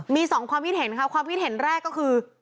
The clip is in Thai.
มีสองความคิดเห็นค่ะความคิดเห็นแรกก็คือ